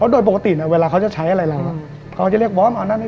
เดี๋ยวนะ